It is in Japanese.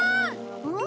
うん？